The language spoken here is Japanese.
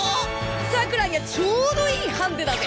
さくらにはちょうどいいハンデだぜ！